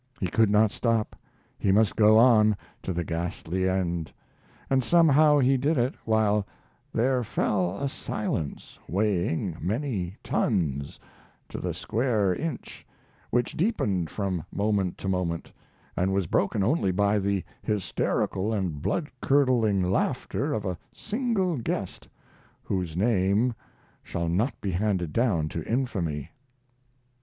He could not stop, he must go on to the ghastly end. And somehow he did it, while "there fell a silence weighing many tons to the square inch, which deepened from moment to moment, and was broken only by the hysterical and blood curdling laughter of a single guest, whose name shall not be handed down to infamy."